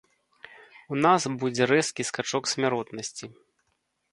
У нас будзе рэзкі скачок смяротнасці.